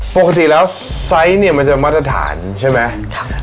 ปกติแล้วไซค์นี้มันจะมาตรฐานใช่ไหมครับ